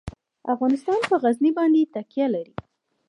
افغانستان په غزني باندې تکیه لري.